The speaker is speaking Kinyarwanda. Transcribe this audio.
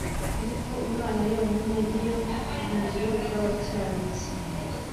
ariko Imana yonyine niyo buhungiro bw’abakiranutsi